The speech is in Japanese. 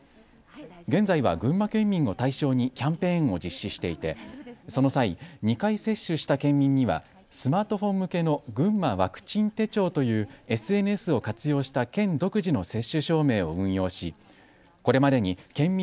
現在は群馬県民を対象にキャンペーンを実施していてその際、２回接種した県民にはスマートフォン向けのぐんまワクチン手帳というＳＮＳを活用した県独自の接種証明を運用しこれまでに県民